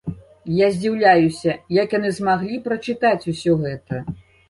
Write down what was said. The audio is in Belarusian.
Я здзіўляюся, як яны змаглі прачытаць усё гэта.